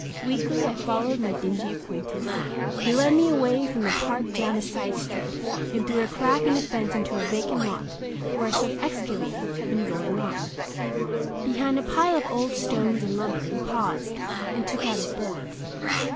Weakly I followed my dingy acquaintance. He led me away from the park down a side street and through a crack in a fence into a vacant lot where some excavating had been going on. Behind a pile of old stones and lumber he paused, and took out his birds.